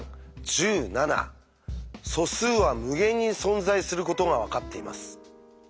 素数は無限に存在することが分かっています。